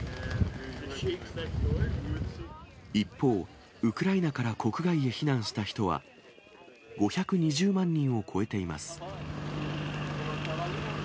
一方、ウクライナから国外へ避難した人は５２０万人を超えています。